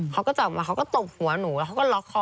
เขาก็จับออกมาเขาก็ตบหัวหนูแล้วเขาก็ล็อกคอ